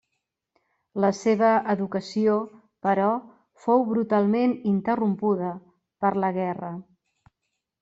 La seva educació, però, fou brutalment interrompuda per la guerra.